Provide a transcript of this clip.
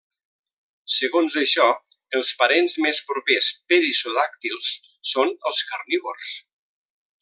Segons això, els parents més propers perissodàctils són els carnívors.